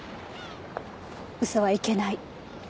嘘はいけない。